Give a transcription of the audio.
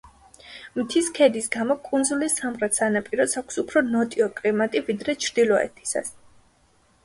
მთის ქედის გამო კუნძულის სამხრეთ სანაპიროს აქვს უფრო ნოტიო კლიმატი, ვიდრე ჩრდილოეთისას.